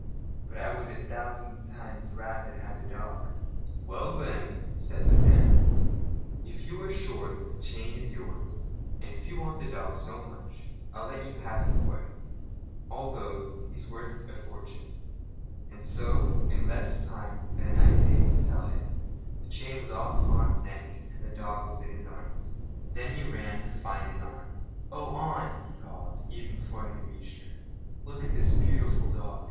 "But I would a thousand times rather have a dog." "Well, then," said the man, "if you are sure that the chain is yours, and if you want the dog so much, I'll let you have him for it, although he's worth a fortune." And so, in less time than I take to tell it, the chain was off Hans's neck and the dog was in his arms. Then he ran to find his aunt. "Oh, aunt!" he called, even before he reached her, "look at this beautiful dog.